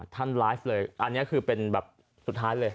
ท่านไลฟ์เลยอันนี้คือเป็นแบบสุดท้ายเลย